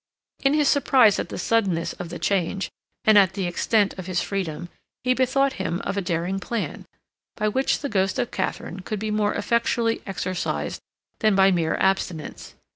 In his surprise at the suddenness of the change, and at the extent of his freedom, he bethought him of a daring plan, by which the ghost of Katharine could be more effectually exorcised than by mere abstinence.